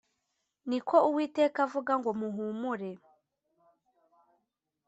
Ni ko Uwiteka avuga ngo muhumure